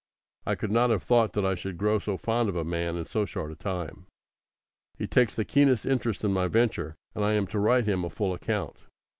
I could not have thought that I should grow so fond of a man in so short a time. He takes the keenest interest in my venture, and I am to write him a full account.